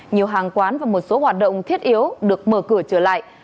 nhiều hàng quán và một số hoạt động thiết yếu được mở cửa trở lại